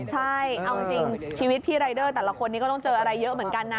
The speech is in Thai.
ใช่เอาจริงชีวิตพี่รายเดอร์แต่ละคนนี้ก็ต้องเจออะไรเยอะเหมือนกันนะ